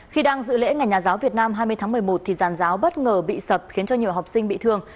khi đang dự lễ ngày nhà giáo việt nam hai mươi tháng một mươi một thì giàn giáo bất ngờ bị sập khiến cho nhiều học sinh bị thương